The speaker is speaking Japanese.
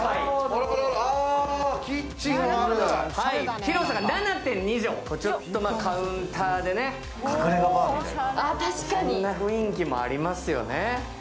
広さが７．２畳、カウンターでね、隠れ家バーみたいな雰囲気もありますよね。